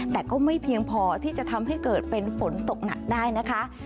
แต่ก็ไม่เพียงพอที่จะทำให้เกิดเป็นฝนตกหนักได้นะคะ